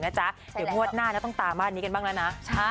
เดี๋ยวงวดหน้าต้องตามบ้านนี้กันบ้างแล้วนะ